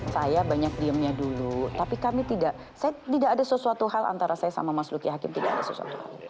saya banyak diemnya dulu tapi kami tidak saya tidak ada sesuatu hal antara saya sama mas luki hakim tidak ada sesuatu hal